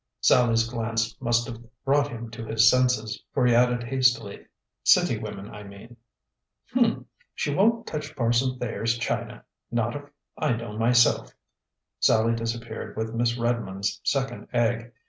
Sallie's glance must have brought him to his senses, for he added hastily, "City women, I mean." "Hm! She won't touch Parson Thayer's china not if I know myself!" Sallie disappeared with Miss Redmond's second egg.